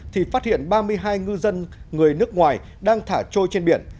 thì phát hiện ba mươi hai ngư dân người nước ngoài đang thả trôi trên biển